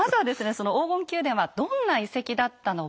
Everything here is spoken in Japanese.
その黄金宮殿はどんな遺跡だったのか。